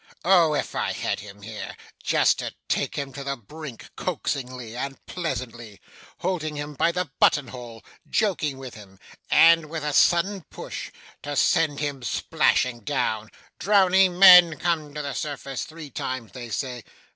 Oh! if I had him here! just to take him to the brink coaxingly and pleasantly, holding him by the button hole joking with him, and, with a sudden push, to send him splashing down! Drowning men come to the surface three times they say.